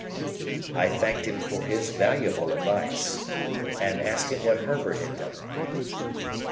I thanked him for his valuable advice, and asked him what Herbert had done?